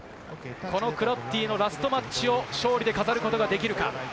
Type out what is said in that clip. このクロッティのラストマッチを勝利で飾ることができるか？